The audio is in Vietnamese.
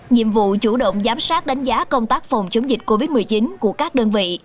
nhiệm vụ chủ động giám sát đánh giá công tác phòng chống dịch covid một mươi chín của các đơn vị